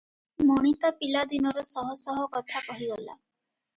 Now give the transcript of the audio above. ମଣି ତା ପିଲାଦିନର ଶହଶହ କଥା କହିଗଲା ।